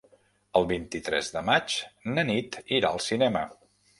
El vint-i-tres de maig na Nit irà al cinema.